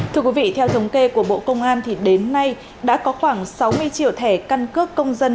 thưa quý vị theo thống kê của bộ công an thì đến nay đã có khoảng sáu mươi triệu thẻ căn cước công dân